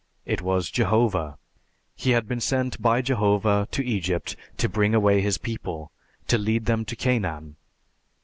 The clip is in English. It was Jehovah. He had been sent by Jehovah to Egypt to bring away his people, to lead them to Canaan.